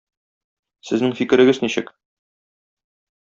Сезнең фикерегез ничек?